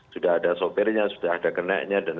sudah ada sopirnya sudah ada keneknya